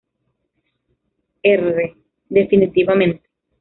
R.: "Definitivamente.